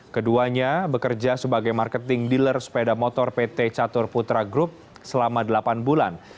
keduanya bekerja sebagai marketing dealer sepeda motor pt catur putra group selama delapan bulan